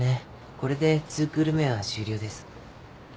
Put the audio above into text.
これで２クール目は終了です。